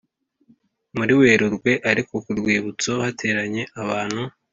Muri werurwe ariko ku rwibutso hateranye abantu